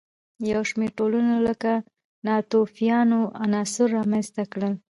یو شمېر ټولنو لکه ناتوفیانو عناصر رامنځته کړل.